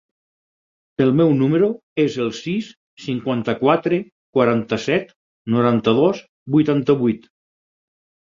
El meu número es el sis, cinquanta-quatre, quaranta-set, noranta-dos, vuitanta-vuit.